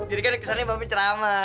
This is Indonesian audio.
dirikan kesana bapak cerama